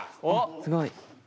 おっすごい。